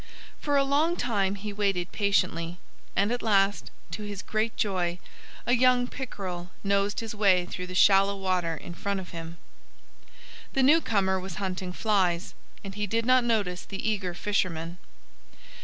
For a long time he waited patiently. And at last, to his great joy, a young pickerel nosed his way through the shallow water in front of him. The newcomer was hunting flies. And he did not notice the eager fisherman.